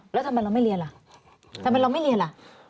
แล้วทำไมเราไม่เรียนล่ะ